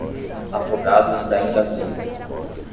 Afogados da Ingazeira